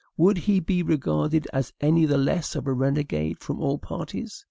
Would he be regarded as any the less a renegade from all parties?